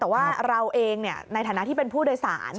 แต่ว่าเราเองในฐานะที่เป็นผู้โดยสาร